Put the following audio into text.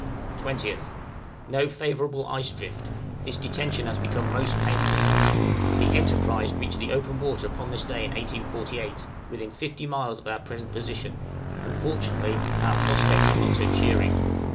20th. No favorable ice drift: this detention has become most painful. The 'Enterprise' reached the open water upon this day in 1848, within 50 miles of our present position; unfortunately, our prospects are not so cheering.